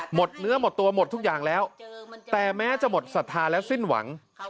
หมดเนื้อหมดตัวหมดทุกอย่างแล้วแต่แม้จะหมดศรัทธาและสิ้นหวัง